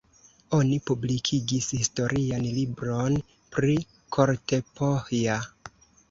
Oni publikigis historian libron pri Kortepohja.